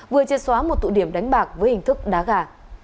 vừa chia xóa một tụ điểm đánh bạc với hình thức đá gà